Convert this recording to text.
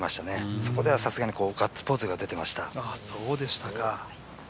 そこではさすがにガッツポーズが出てました。